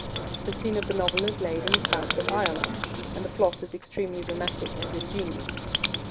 The scene of the novel is laid in the south of Ireland, and the plot is extremely dramatic and ingenious.